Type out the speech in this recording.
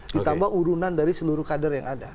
ditambah urunan dari seluruh kader yang ada